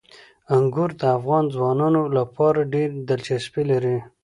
انګور د افغان ځوانانو لپاره ډېره دلچسپي لري.